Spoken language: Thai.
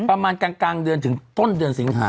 ประมาณกลางเดือนถึงต้นเดือนสิงหา